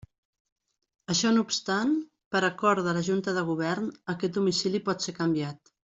Això no obstant, per acord de la Junta de Govern, aquest domicili pot ser canviat.